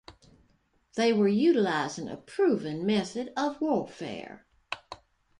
They were utilizing a proven method of warfare.